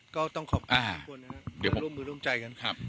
ก็ต้องขอบคุณทุกคนนะฮะร่วมมือร่วมใจกันครับครับ